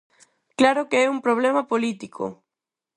¡Claro que é un problema político!